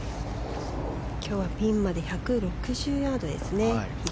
今日はピンまで１６０ヤードです。